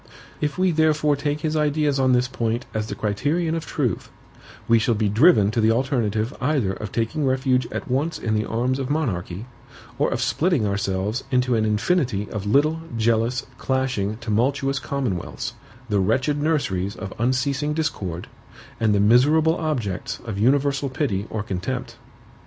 If we therefore take his ideas on this point as the criterion of truth, we shall be driven to the alternative either of taking refuge at once in the arms of monarchy, or of splitting ourselves into an infinity of little, jealous, clashing, tumultuous commonwealths, the wretched nurseries of unceasing discord, and the miserable objects of universal pity or contempt.